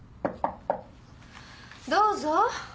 どうぞ！